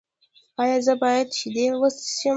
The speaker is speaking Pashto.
ایا زه باید شیدې وڅښم؟